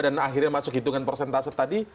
dan akhirnya masuk hitungan persentase tadi